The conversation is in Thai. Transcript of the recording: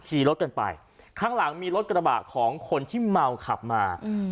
ขี่รถกันไปข้างหลังมีรถกระบะของคนที่เมาขับมาอืม